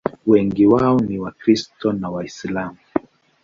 Wengi wao ni Wakristo na Waislamu.